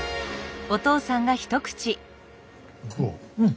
うん！